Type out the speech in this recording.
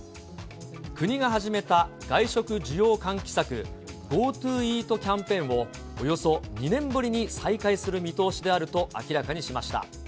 国が始めた外食需要喚起策、ＧｏＴｏＥａｔキャンペーンを、およそ２年ぶりに再開する見通しであると明らかにしました。